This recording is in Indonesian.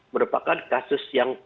merupakan kasus yang perbedaan